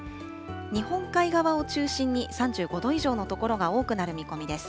日本海側を中心に３５度以上の所が多くなる見込みです。